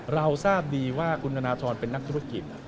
เราทราบดีว่าคุณธนทรเป็นนักธุรกิจ